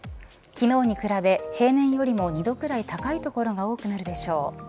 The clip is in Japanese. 昨日に比べ平年よりも２度くらい高い所が多くなるでしょう。